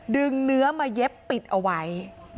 เนื้อมาเย็บปิดเอาไว้